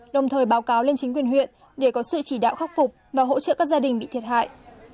đồng thời báo cáo lên chính quyền huyện để có sự chỉ đạo khắc phục và hỗ trợ các gia đình bị thiệt hại